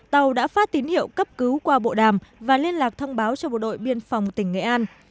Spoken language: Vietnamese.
tàu đã phát tín hiệu cấp cứu qua bộ đàm và liên lạc thông báo cho bộ đội biên phòng tỉnh nghệ an